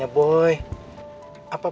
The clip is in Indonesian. ya udah angkat aja